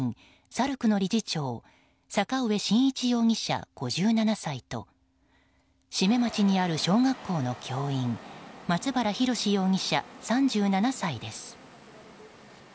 さるくの理事長坂上慎一容疑者、５７歳と志免町にある小学校の教員松原宏容疑者、３７歳です。